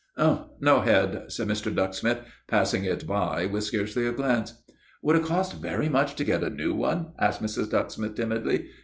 "Umph! No head," said Mr. Ducksmith, passing it by with scarcely a glance. "Would it cost very much to get a new one?" asked Mrs. Ducksmith, timidly.